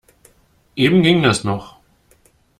Eben ging das noch.